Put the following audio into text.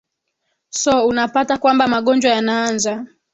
so unapata kwamba magonjwa yanaanza